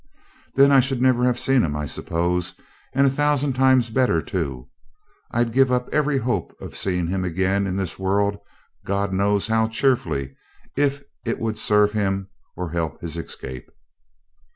Then I should never have seen him, I suppose, and a thousand times better too. I'd give up every hope of seeing him again in this world, God knows how cheerfully, if it would serve him or help his escape.'